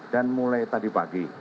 dan mulai tadi pagi